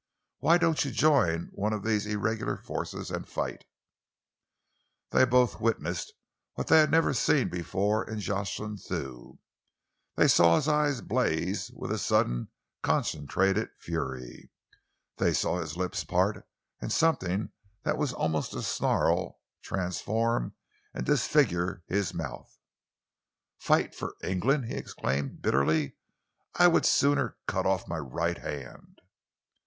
Why don't you join one of these irregular forces and fight?" Then they both witnessed what they had never before seen in Jocelyn Thew. They saw his eyes blaze with a sudden concentrated fury. They saw his lips part and something that was almost a snarl transform and disfigure his mouth. "Fight for England?" he exclaimed bitterly. "I would sooner cut off my right hand!"